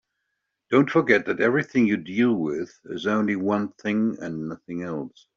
Don't forget that everything you deal with is only one thing and nothing else.